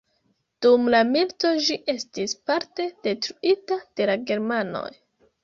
Dum la milito ĝi estis parte detruita de la germanoj.